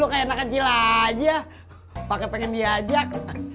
lu kayak anak kecil aja pake pengen diajak